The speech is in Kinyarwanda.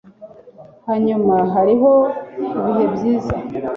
hanyuma hariho ibihe byiza